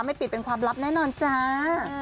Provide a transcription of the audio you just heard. ปิดเป็นความลับแน่นอนจ้า